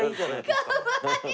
かわいい！